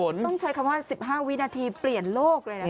ต้องใช้คำว่า๑๕วินาทีเปลี่ยนโลกเลยนะครับ